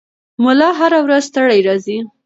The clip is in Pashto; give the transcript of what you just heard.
ملا هره ورځ ستړی راځي.